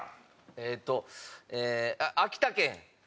えっと秋田県。